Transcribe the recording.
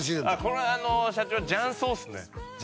これは社長ジャン荘っすね